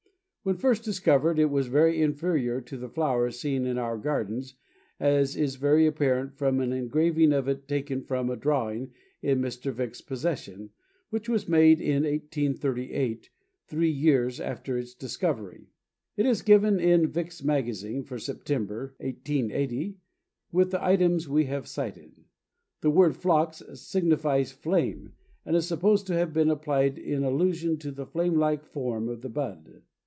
When first discovered it was very inferior to the flowers seen in our gardens, as is very apparent from an engraving of it taken from a drawing in Mr. Vick's possession, which was made in 1838, three years after its discovery. It is given in Vick's Magazine for September, 1880, with the items we have cited. The word Phlox signifies flame, and is supposed to have been applied in allusion to the flame like form of the bud.